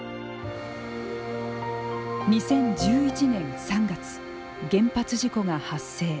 ２０１１年３月、原発事故が発生。